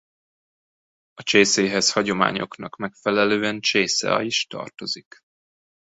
A csészéhez a hagyományoknak megfelelően csészealj is tartozik.